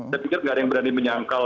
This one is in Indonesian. saya pikir tidak ada yang berani menyangkal